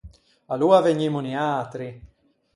Aloa vegnimmo niatri.